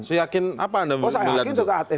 saya yakin apa anda melihat itu